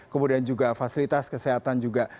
kemudian juga fasilitas kesehatan juga